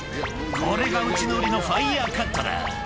「これがうちの売りのファイアカットだ」